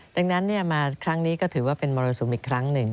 ดังนั้นมาครั้งนี้ก็ถือว่าเป็นมรสุมอีกครั้งหนึ่ง